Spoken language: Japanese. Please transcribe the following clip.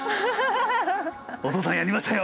お父さんやりましたよ！